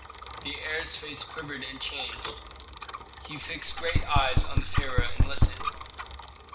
The heir's face quivered and changed. He fixed great eyes on the pharaoh and listened.